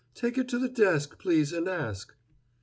Take it to the desk, please, and ask."